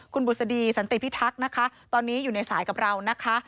คุณบุษดีสันติพิทักษ์นะคะตอนนี้อยู่ในสายกับเรานะคะ